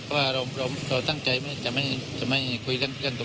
เพราะว่าเราตั้งใจจะไม่คุยเรื่องตรงนั้น